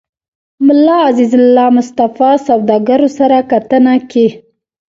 ملا عزيزالله مصطفى سوداګرو سره کتنه کې